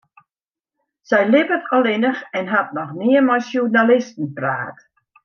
Sy libbet allinnich en hat noch nea mei sjoernalisten praat.